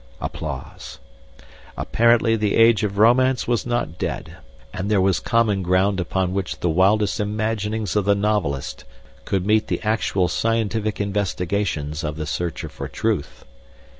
'Apparently the age of romance was not dead, and there was common ground upon which the wildest imaginings of the novelist could meet the actual scientific investigations of the searcher for truth.